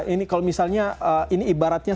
ini kalau misalnya ini ibaratnya